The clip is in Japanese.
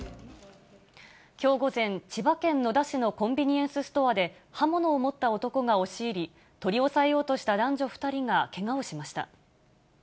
きょう午前、千葉県野田市のコンビニエンスストアで、刃物を持った男が押し入り、取り押さえようとした男女２人がけがをしました。